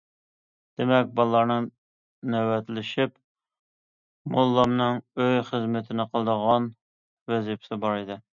دېمەك، بالىلارنىڭ نۆۋەتلىشىپ موللامنىڭ ئۆي خىزمىتىنى قىلىدىغان ۋەزىپىسى بار ئىدى.